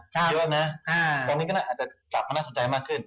ใช่น่ะอ่าตอนนี้ก็น่ะอาจจะตรับมาน่าสนใจมากขึ้น